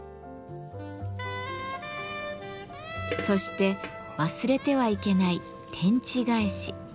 そして忘れてはいけない「天地返し」。